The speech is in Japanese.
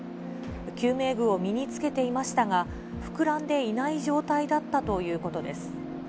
救命具を身に着けていましたが、膨らんでいない状態だったということです。